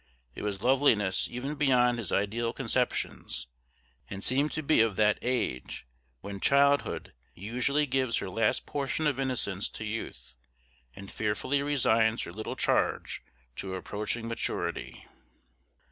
It was loveliness even beyond his ideal conceptions, and seemed to be of that age when childhood usually gives her last portion of innocence to youth, and fearfully resigns her little charge to approaching maturity.